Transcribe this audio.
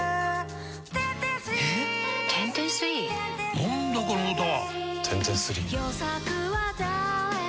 何だこの歌は！